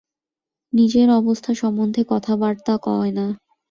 নিজের অবস্থা সম্বন্ধে কথাবার্তা কয় না।